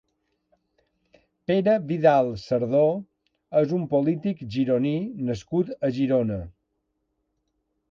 Pere Vidal Sardó és un polític gironí nascut a Girona.